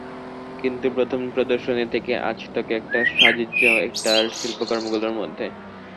কিন্তু প্রথম প্রদর্শনী থেকে আজতক একটা সাযুজ্য আছে তাঁর শিল্পকর্মগুলোর মধ্যে।